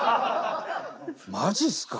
マジっすか？